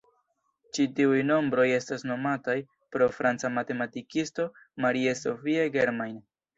Ĉi tiuj nombroj estas nomataj pro franca matematikisto Marie-Sophie Germain.